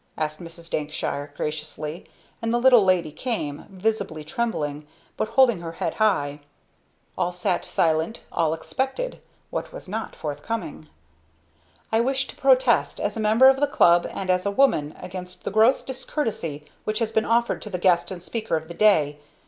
asked Mrs. Dankshire graciously, and the little lady came, visibly trembling, but holding her head high. All sat silent, all expected what was not forthcoming. "I wish to protest, as a member of the Club, and as a woman, against the gross discourtesy which has been offered to the guest and speaker of the day.